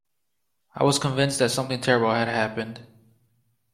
I was convinced that something terrible had happened.